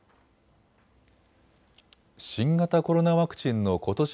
新型コロナワクチンのことし